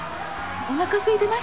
おなかすいてない？